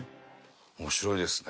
面白いですね。